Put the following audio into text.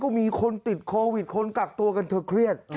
ก็มีคนติดโควิดคนกักตัวกันเธอเครียด